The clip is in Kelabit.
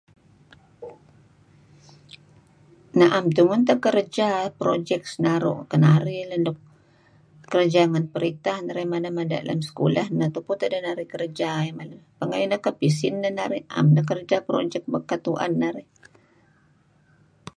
Na'em tungeh teh kerja, projek senaru' kedinarih nuk kereja ngen perintah narih ngajar lem sekulah, neh tupu teh dinarih kerja eh neh, pengeh ineh pisin neh narih 'am neh kerja projek tu'en narih.